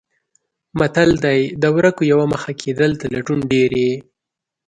متل دی: د ورکو یوه مخه کېدل د لټون ډېرې.